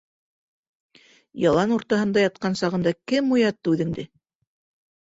Ялан уртаһында ятҡан сағында кем уятты үҙеңде?